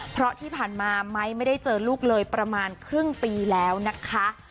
เพราะที่ผ่านมาไม้ไม่ได้เจอลูกเลยประมาณครึ่งปีแล้วนะคะ